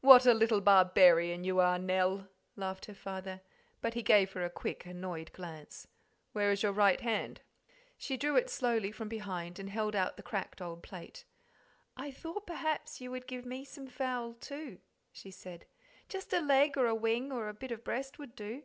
"What a little barbarian you are, Nell!" laughed her father; but he gave her a quick, annoyed glance. "Where is your right hand?" She drew it slowly from behind and held out the cracked old plate. "I thought perhaps you would give me some fowl too," she said "just a leg or a wing, or bit of breast would do."